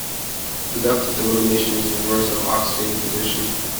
Reductive elimination is the reverse of oxidative addition.